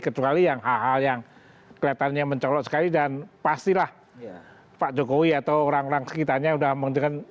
kecuali yang hal hal yang kelihatannya mencolok sekali dan pastilah pak jokowi atau orang orang sekitarnya sudah mengertikan